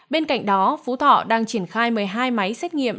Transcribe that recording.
bên cạnh đó phú thọ đang triển khai một mươi hai máy xét nghiệm